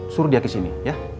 suruh dia ke sini ya